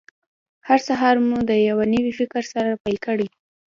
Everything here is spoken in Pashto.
هر سهار مو د یوه نوي فکر سره پیل کړئ.